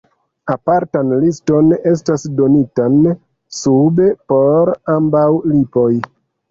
Apartan liston estas donitan sube por ambaŭ tipoj.